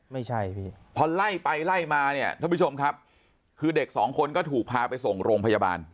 ไม่ใช่พี่พอไล่ไปไล่มาเนี่ยท่านผู้ชมครับคือเด็กสองคนก็ถูกพาไปส่งโรงพยาบาล